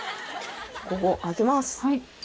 ここ開けます。